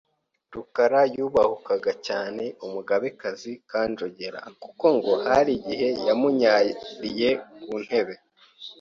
Rukara yubahukaga cyane umugabekazi Kanjogera kuko ngo hari n’igihe yamunyariye ku ntebe